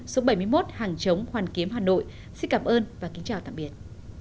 ghiền mì gõ để không bỏ lỡ những video hấp dẫn